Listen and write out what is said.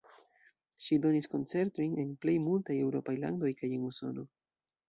Ŝi donis koncertojn en plej multaj eŭropaj landoj kaj en Usono.